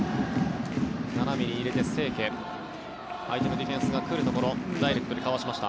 斜めに入れて清家相手のディフェンスが来るところダイレクトにかわしました。